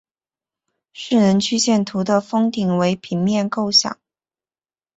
势能曲线图的峰顶为平面构象。